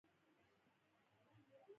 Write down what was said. کاغذی باد یا ګوډی پران بازی مشهوره ده.